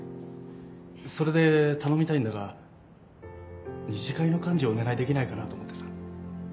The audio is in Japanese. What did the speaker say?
それで頼みたいんだが二次会の幹事をお願いできないかなと思ってさ。